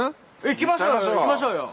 行きましょうよ。